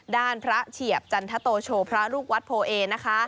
ด้านพระเฉียบจันทโตโชพระลูกวัดโพเอนะคะ